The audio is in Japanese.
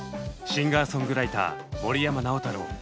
シンガーソングライター森山直太朗。